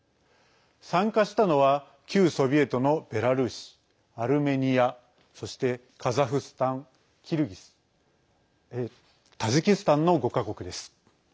参加したのは、旧ソビエトのベラルーシ、アルメニアそしてカザフスタン、キルギスタジキスタンの５か国です。